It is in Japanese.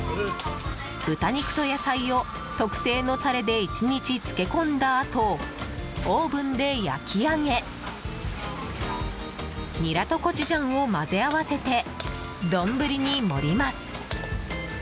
豚肉と野菜を特製のタレで１日漬け込んだあとオーブンで焼き上げニラとコチュジャンを混ぜ合わせて、丼に盛ります。